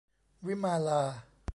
วิมาลา